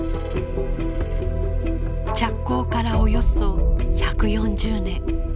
着工からおよそ１４０年。